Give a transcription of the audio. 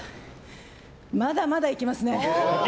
まだまだいけますね！